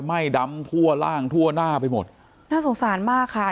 ไหม้ดำทั่วร่างทั่วหน้าไปหมดน่าสงสารมากค่ะ